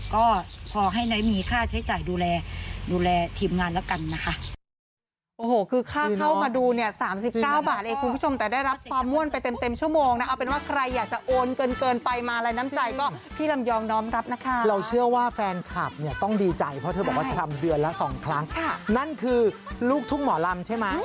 ก็พอให้ไหนมีค่าใช้จ่ายดูแลทีมงานละกันนะคะ